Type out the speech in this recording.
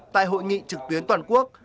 tại hội nghị trực tuyến toàn quốc